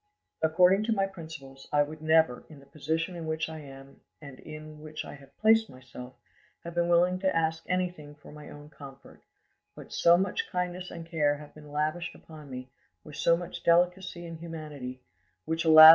According to my principles, I would never, in the position in which I am and in which I have placed myself, have been willing to ask anything for my own comfort; but so much kindness and care have been lavished upon me, with so much delicacy and humanity,—which alas!